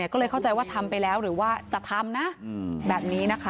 ก็เลยเข้าใจว่าทำไปแล้วหรือว่าจะทำนะแบบนี้นะคะ